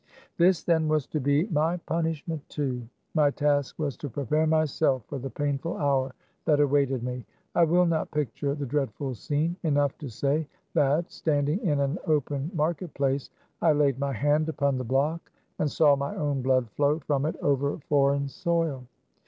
This, then, was to be my punishment too. My task was to prepare myself for the painful hour that awaited me. I will not picture the dreadful scene. Enough to say that, standing in an open market place, I laid my hand upon the block, and saw my own blood flow from it over foreign soil.